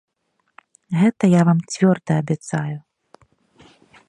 Гэта я вам цвёрда абяцаю.